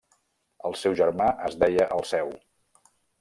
El seu germà es deia Alceu.